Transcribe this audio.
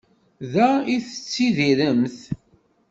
Da i tettidiremt?